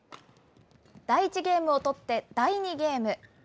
第１ゲームを取って第２ゲーム。